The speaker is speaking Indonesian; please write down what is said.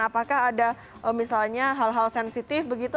apakah ada misalnya hal hal sensitif begitu